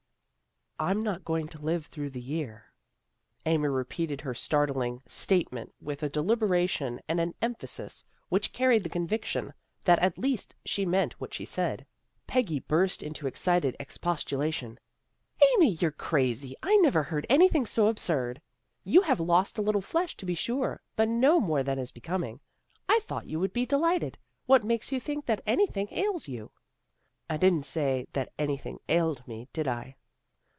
" I'm not going to live through the year." 302 THE GIRLS OF FRIENDLY TERRACE Amy repeated her startling statement with a deliberation and an emphasis which carried the conviction that at least she meant what she said. Peggy burst into excited expostula tion. " Amy, you're crazy. I never heard any thing so absurd. You have lost a little flesh, to be sure, but no more than is becoming. I thought you would be delighted. What makes you think that anything ails you? "" I didn't say that anything ailed me, did I?